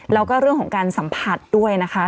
แล้วก็เรื่องของการสัมผัสด้วยนะคะ